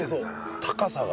高さが。